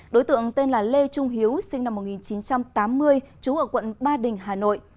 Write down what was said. đối tượng tên là lê trung hiếu sinh năm một nghìn chín trăm tám mươi trú ở quận ba đình hà nội